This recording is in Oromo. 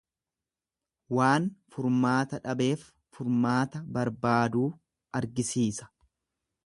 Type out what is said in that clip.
Waan furmaata dhabeef furmaata barbaaduu argisiisa.